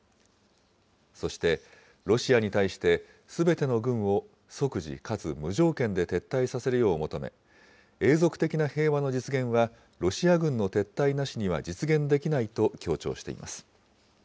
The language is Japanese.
そしてロシアに対して、すべての軍を即時かつ無条件で撤退させるよう求め、永続的な平和の実現は、ロシア軍の撤退なしには実現できないと強調しています。